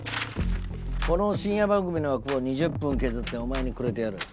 この深夜番組の枠を２０分削ってお前にくれてやる。